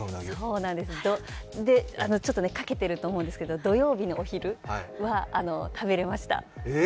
そうなんです、ちょっとかけてると思うんですけど、土曜日のお昼は食べれました。